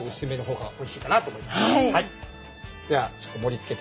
はい。